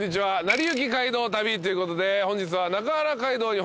『なりゆき街道旅』ということで本日は。